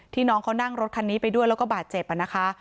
น้องเขานั่งรถคันนี้ไปด้วยแล้วก็บาดเจ็บนะคะ